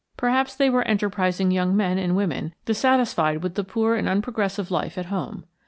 Perhaps they were enterprising young men and women dissatisfied with the poor and unprogressive life at home.